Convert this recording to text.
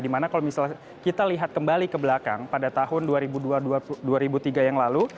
di mana kalau misalnya kita lihat kembali ke belakang pada tahun dua ribu dua dua ribu tiga yang lalu